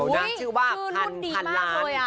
น่าชื่อว่าพันพันล้าน